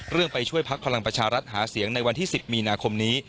ไปช่วยพักพลังประชารัฐหาเสียงในวันที่๑๐มีนาคมนี้